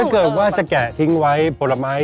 ถ้าเกิดว่าจะแกะทิ้งไว้ผลไม้